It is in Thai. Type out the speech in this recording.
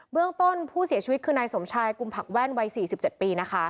เรื่องต้นผู้เสียชีวิตคือนายสมชายกุมผักแว่นวัย๔๗ปีนะคะ